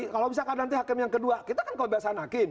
kalau misalkan hakim yang kedua kita kan kalau bebasan hakim